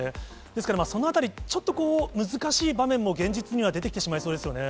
ですから、そのあたり、ちょっとこう、難しい場面も現実には出てきてしまいそうですよね。